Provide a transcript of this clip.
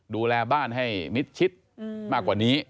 ดูแลบ้านให้มิดชิดมากกว่านี้